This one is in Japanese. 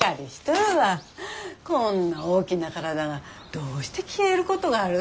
こんな大きな体がどうして消えることがある？